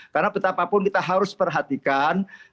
karena betapapun kita harus perhatikan